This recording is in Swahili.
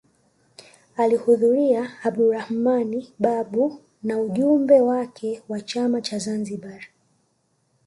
Alihudhuria Abdulrahman Babu na ujumbe wake wa chama cha Zanzibar